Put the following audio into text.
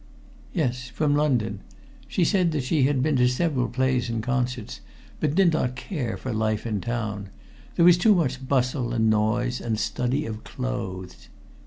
"Yes, from London. She said that she had been to several plays and concerts, but did not care for life in town. There was too much bustle and noise and study of clothes."